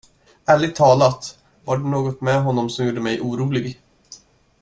Ärligt talat, var det något med honom som gjorde mig orolig.